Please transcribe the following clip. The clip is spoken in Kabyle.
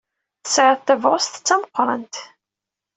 Tesɛiḍ tabɣest d tameqrant.